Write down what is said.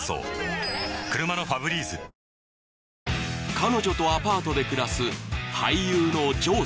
［彼女とアパートで暮らす］